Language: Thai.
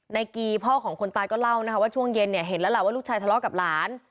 กีพ่อของคนตายก็เล่านะคะว่าช่วงเย็นเนี่ยเห็นแล้วล่ะว่าลูกชายทะเลาะกับหลาน